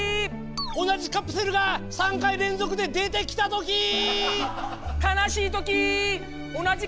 同じカプセルが３回連続で出てきたときー！